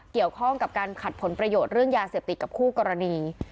เกี่ยวข้องกับการขัดผลประโยชน์เรื่องยาเสพติดกับคู่กรณี